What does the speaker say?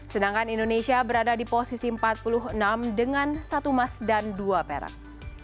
sedangkan indonesia berada di posisi empat puluh enam dengan satu emas dan dua perak